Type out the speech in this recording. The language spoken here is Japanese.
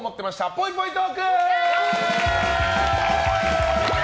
ぽいぽいトーク。